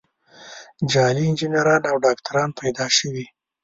جعلي انجینران او ډاکتران پیدا شوي.